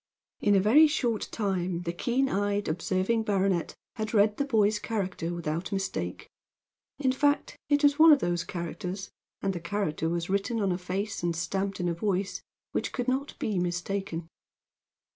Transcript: In a very short time the keen eyed, observing baronet had read the boy's character without mistake. In fact, it was one of those characters and the character was written on a face and stamped in a voice which could not be mistaken.